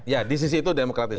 ya di sisi itu demokratis